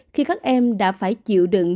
khi các em đã phải chịu đựng